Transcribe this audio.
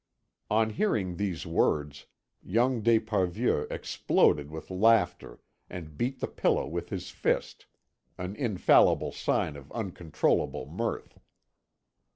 On hearing these words, young d'Esparvieu exploded with laughter and beat the pillow with his fist, an infallible sign of uncontrollable mirth.